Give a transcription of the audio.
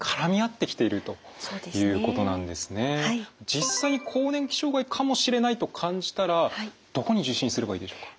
実際に更年期障害かもしれないと感じたらどこに受診すればいいでしょうか。